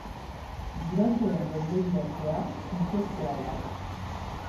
Gurasoen gainbegiratzea funtsezkoa da.